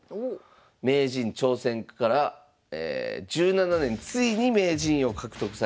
名人挑戦から１７年ついに名人位を獲得されました。